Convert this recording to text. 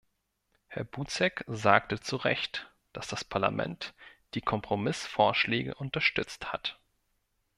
Herr Buzek sagte zu Recht, dass das Parlament die Kompromissvorschläge unterstützt hat.